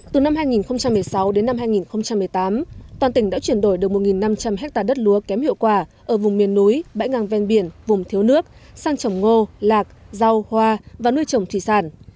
từ năm hai nghìn một mươi sáu đến năm hai nghìn một mươi tám toàn tỉnh đã chuyển đổi được một năm trăm linh hectare đất lúa kém hiệu quả ở vùng miền núi bãi ngang ven biển vùng thiếu nước sang trồng ngô lạc rau hoa và nuôi trồng thủy sản